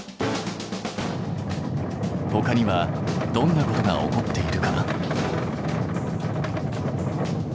ほかにはどんなことが起こっているかな？